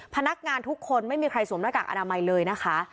พนักงานทุกคนไม่มีใครสวมหน้ากากอนามัยเลยนะคะ